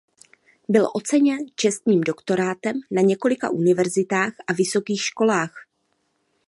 Byl oceněn čestným doktorátem na několika univerzitách a vysokých školách.